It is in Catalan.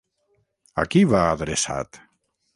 A qui va adreçat?